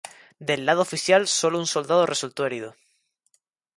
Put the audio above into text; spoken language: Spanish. Del lado oficial solo un soldado resultó herido.